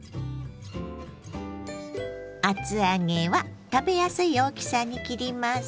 厚揚げは食べやすい大きさに切ります。